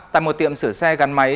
tại một tiệm sửa xe gắn máy